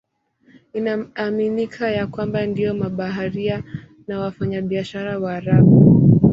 Inaaminika ya kwamba ndio mabaharia na wafanyabiashara Waarabu.